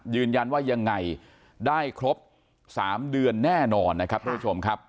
ยืนยันว่ายังไงได้ครบ๓เดือนแน่นอนนะครับทุกผู้ชมครับ